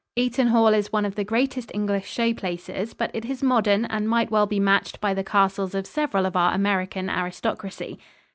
Eaton Hall is one of the greatest English show places, but it is modern and might well be matched by the castles of several of our American aristocracy.